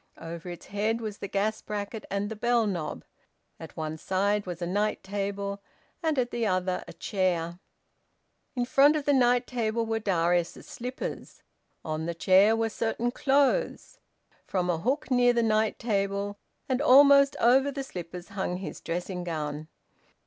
Over its head was the gas bracket and the bell knob. At one side was a night table, and at the other a chair. In front of the night table were Darius's slippers. On the chair were certain clothes. From a hook near the night table, and almost over the slippers, hung his dressing gown.